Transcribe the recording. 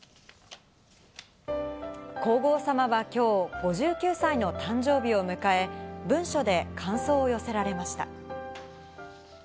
皇后さまは今日５９歳の誕生日を迎え、文書で感想を寄せられました。